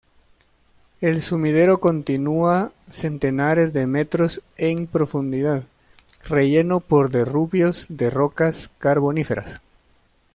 El sumidero continúa centenares de metros en profundidad, relleno por derrubios de rocas carboníferas.